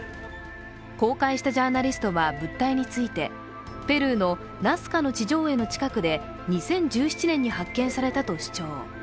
公開したジャーナリストは物体について、ペルーのナスカの地上絵の近くで２０１７年に発見されたと主張。